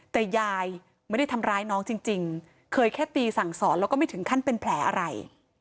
แต่ยายไม่ได้ทำร้ายน้องจริงเคยแค่ตีสั่งสอนแล้วก็ไม่ถึงขั้นเป็นแผลอะไร